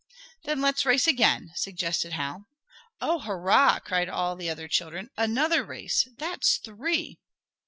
"Then let's race again," suggested Hal. "Oh, hurrah!" cried all the other children. "Another race! That's three!"